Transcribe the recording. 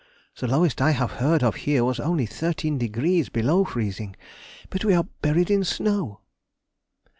the lowest I have heard of here was only 13° below freezing; but we are buried in snow!